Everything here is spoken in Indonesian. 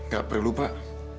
gak perlu pak